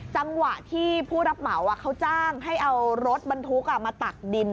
จังหวะที่ผู้รับเหมาเขาจ้างให้เอารถบรรทุกมาตักดิน